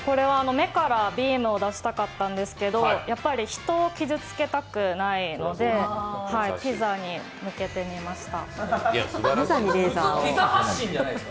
目からビームを出したかったんですけどやっぱり人を傷つけたくないので、ピザに向けてみました。